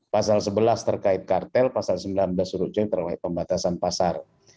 pasal sebelas terkait kartel pasal sembilan belas surut c terkait pembatasan pasar